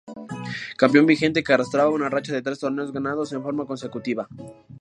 Campeón vigente, que arrastraba una racha de tres torneos ganados en forma consecutiva.